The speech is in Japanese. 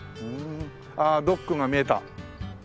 ああドックが見えた。